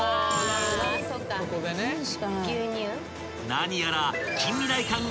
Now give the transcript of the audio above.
［何やら］